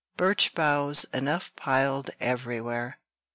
Birch boughs enough piled everywhere!